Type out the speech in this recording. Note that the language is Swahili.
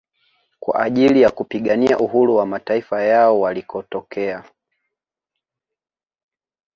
Kwa ajili ya kupigania uhuru wa mataifa yao walikotokea